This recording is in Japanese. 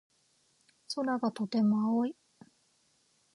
空がとても青い。